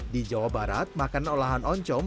di jawa barat makanan olahan oncom